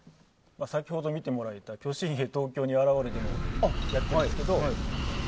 先ほど見てもらった「巨神兵東京に現わる」でもやっているんですが。